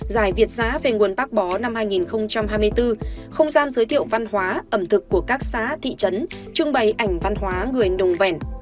giải việt giã về nguồn bác bó năm hai nghìn hai mươi bốn không gian giới thiệu văn hóa ẩm thực của các xã thị trấn trưng bày ảnh văn hóa người nồng vèn